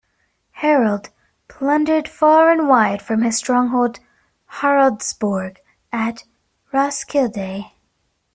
Harald plundered far and wide from his stronghold Haraldsborg at Roskilde.